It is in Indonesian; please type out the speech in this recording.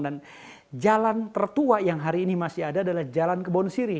dan jalan tertua yang hari ini masih ada adalah jalan kebon siri